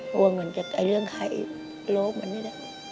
อยากจะยังไหนลูกมันได้